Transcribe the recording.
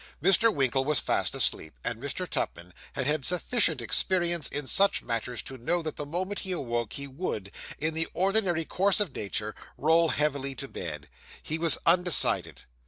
Mr. Winkle was asleep, and Mr. Tupman had had sufficient experience in such matters to know that the moment he awoke he would, in the ordinary course of nature, roll heavily to bed. He was undecided.